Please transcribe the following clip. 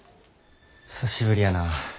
久しぶりやなあ。